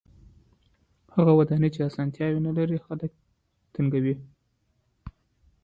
هغه ودانۍ چې اسانتیاوې نلري خلک تنګوي.